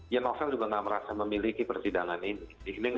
ya novel juga nggak merasa memiliki persidangan ini